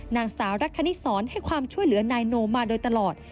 นางสาวรักคณิสรให้ความช่วยเหลือนายโนมาโดยตลอด